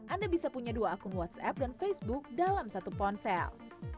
anda bisa punya dua akun whatsapp dan facebook dalam satu ponsel